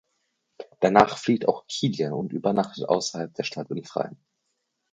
Danach flieht auch Kilian und übernachtet außerhalb der Stadt im Freien.